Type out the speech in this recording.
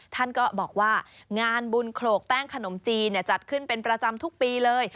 ท่านก็บอกว่างานบุญโขลกแป้งขนมจีนจัดขึ้นเป็นประจำทุกปีเลย